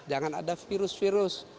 jangan ada virus virus